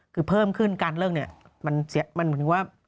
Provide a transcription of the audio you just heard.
คือเพิ่มขึ้นการเลิกนี่มันถือว่า